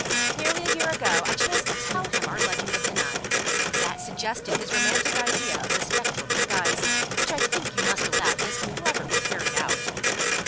Nearly a year ago I chanced to tell him our legend of the nun; that suggested his romantic idea of the spectral disguise, which I think you must allow he has very cleverly carried out.